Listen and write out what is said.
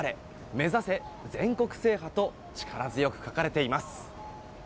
目指せ全国制覇！と力強く書かれています。